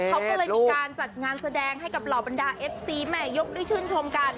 เขาก็เลยมีการจัดงานแสดงให้กับเหล่าบรรดาเอฟซีแม่ยกได้ชื่นชมกัน